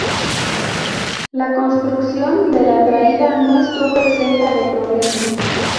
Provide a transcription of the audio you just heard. La construcción de la Traída no estuvo exenta de problemas.